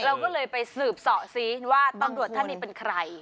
เราก็เลยไปสืบเสาะสิว่าตำรวจท่านนี้เป็นใคร